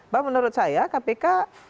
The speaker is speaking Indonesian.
bahwa menurut saya kpk